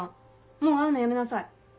もう会うのやめなさい。